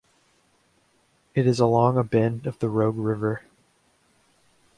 It is along a bend of the Rogue River.